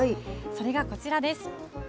それがこちらです。